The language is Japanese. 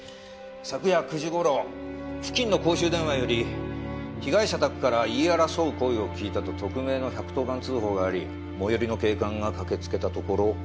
昨夜９時頃付近の公衆電話より被害者宅から言い争う声を聞いたと匿名の１１０番通報があり最寄りの警官が駆けつけたところ。